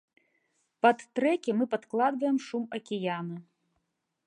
Пад трэкі мы падкладваем шум акіяна.